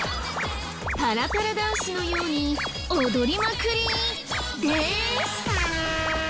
パラパラダンスのように踊りまくりでーす！